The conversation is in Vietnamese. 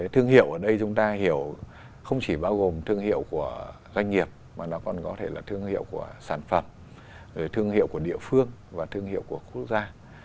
thương hiệu ở đây chúng ta hiểu không chỉ bao gồm thương hiệu của doanh nghiệp mà nó còn có thể là thương hiệu của sản phẩm thương hiệu của địa phương và thương hiệu của quốc gia